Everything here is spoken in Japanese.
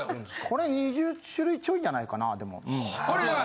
これ２０種類ちょいじゃないかなでもうん。